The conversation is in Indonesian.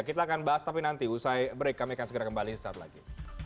kita akan bahas tapi nanti usai break kami akan segera kembali sesaat lagi